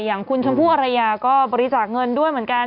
อย่างคุณชมพู่อรยาก็บริจาคเงินด้วยเหมือนกัน